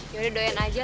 yaudah doyan aja